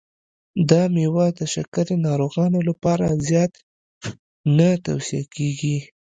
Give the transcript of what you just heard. دا مېوه د شکرې ناروغانو لپاره زیاته نه توصیه کېږي.